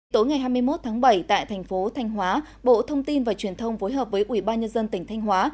tối ngày hai mươi một tháng bảy tại thành phố thanh hóa bộ thông tin và truyền thông vối hợp với ubnd tỉnh thanh hóa